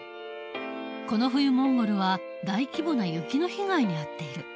この冬モンゴルは大規模な雪の被害に遭っている。